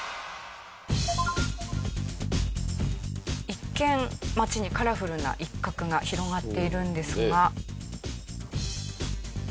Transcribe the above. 一見町にカラフルな一角が広がっているんですが。